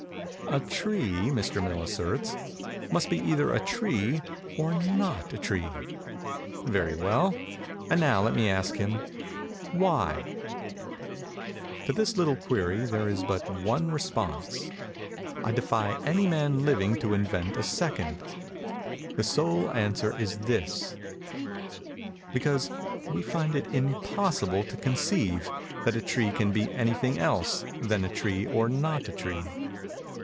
'A tree,' Mr. Mill asserts, 'must be either a tree or not a tree.' Very well:—and now let me ask him, why. To this little query there is but one response:—I defy any man living to invent a second. The sole answer is this:—'Because we find it impossible to conceive that a tree can be any thing else than a tree or not a tree.